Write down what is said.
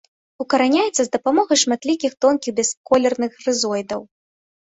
Укараняецца з дапамогай шматлікіх тонкіх бясколерных рызоідаў.